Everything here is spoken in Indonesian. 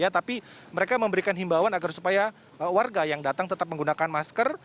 tapi mereka memberikan himbawan agar supaya warga yang datang tetap menggunakan masker